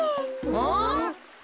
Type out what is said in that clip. うん？